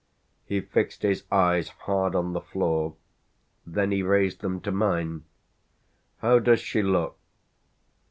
He fixed his eyes hard on the floor; then he raised them to mine. "How does she look?"